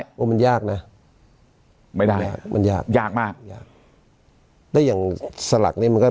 เพราะมันยากนะไม่ได้ยากมาก